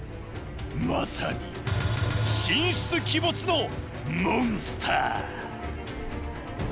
まさに神出鬼没のモンスター！